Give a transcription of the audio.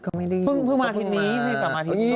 เพิ่งมาที่นี้